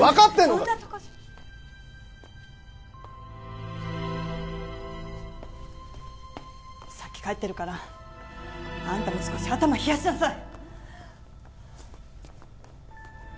こんなとこじゃ先帰ってるからあんたも少し頭冷やしなさい